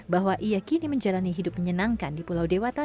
bahwa ia kini menjalani hidup menyenangkan di pulau dewata